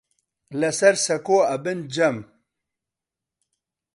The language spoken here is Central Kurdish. لەسەر سەکۆ ئەبن جەم